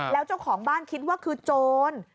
แล้วเจ้าของบ้านคิดว่าคือโจร